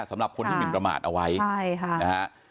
สำหรับคนที่หมินประมาทเอาไว้ใช่ค่ะนะฮะ